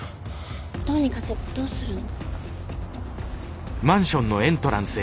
どうにかってどうするの？